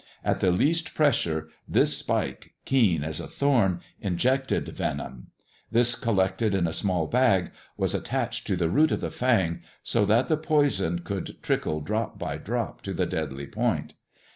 At the least pressure this spike, keen as a thorn, ejected venom. This, collected in a small bag, was attached to the root of the fang, so that the poison could trickle drop by drop to the deadly point.